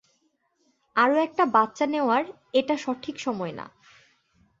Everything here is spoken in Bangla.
আরো একটা বাচ্চা নেওয়ার এটা সঠিক সময় না।